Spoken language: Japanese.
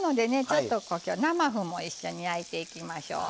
ちょっと今日生麩も一緒に焼いていきましょう。